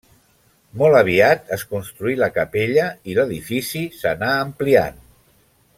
Molt aviat es construí la capella i l'edifici s'anà ampliant.